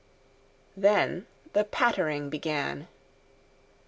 Then the pattering began.